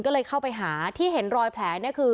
ก็เลยเข้าไปหาที่เห็นรอยแผลเนี่ยคือ